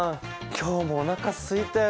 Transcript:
今日もおなかすいたよ。